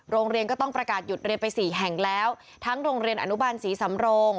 โรงเรียนก็ต้องประกาศหยุดเรียนไปสี่แห่งแล้วทั้งโรงเรียนอนุบาลศรีสำโรง